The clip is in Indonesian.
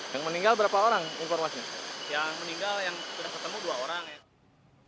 yang meninggal yang sudah ketemu dua orang